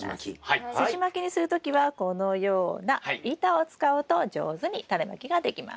すじまきにする時はこのような板を使うと上手にタネまきができます。